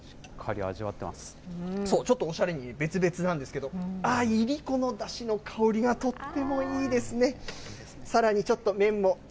そう、ちょっとおしゃれに別々なんですけど、あー、いりこのだしの香りがとってもいいですね。